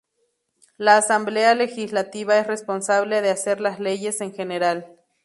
La Asamblea Legislativa es responsable de hacer las leyes en general.